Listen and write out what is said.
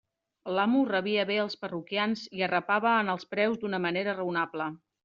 L'amo rebia bé els parroquians i arrapava en els preus d'una manera raonable.